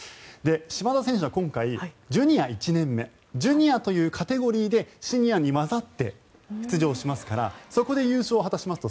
島田選手は今回ジュニア１年目ジュニアというカテゴリーでシニアに交ざって出場しますからそこで優勝を果たしますと